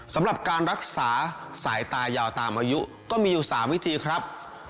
สำหรับการรักษาสายตายาวตามอายุก็มีอยู่๓วิธีครับ